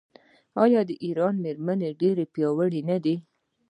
آیا د ایران میرمنې ډیرې پیاوړې نه دي؟